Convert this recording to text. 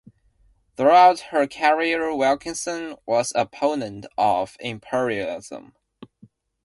Throughout her career Wilkinson was an opponent of imperialism.